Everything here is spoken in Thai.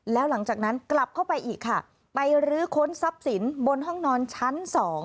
แล้วหลังจากนั้นกลับเข้าไปอีกค่ะไปรื้อค้นทรัพย์สินบนห้องนอนชั้น๒